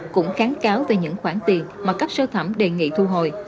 cũng kháng cáo về những khoản tiền mà cấp sơ thẩm đề nghị thu hồi